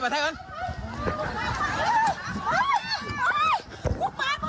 ไปจะมาแล้ว